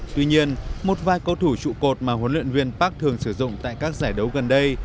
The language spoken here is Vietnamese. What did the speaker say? tuy nhiên một vài cầu thủ trụ cột mà huấn luyện viên park thường sử dụng tại các giải đấu gần đây